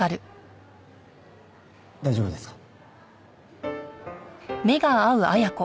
大丈夫ですか？